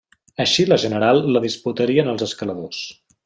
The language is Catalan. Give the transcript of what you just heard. Així la general la disputarien els escaladors.